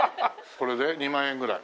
これで２万円ぐらい？